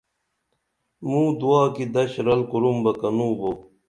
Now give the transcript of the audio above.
موں دعا کی دش رَل کُرُم بہ کنوں بو